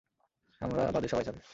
আমরা বাদে সবাই যাবে।